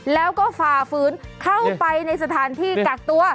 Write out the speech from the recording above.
แล้วก็ฝ่าฝืนเข้าไปในสถานที่กักตัว